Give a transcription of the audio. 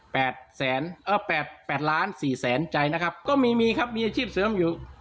แปดแสนเอ่อแปดแปดล้านสี่แสนใจนะครับก็มีมีครับมีอาชีพเสริมอยู่